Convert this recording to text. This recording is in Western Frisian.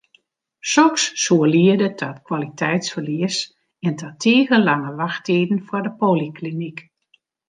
Soks soe liede ta kwaliteitsferlies en ta tige lange wachttiden foar de polyklinyk.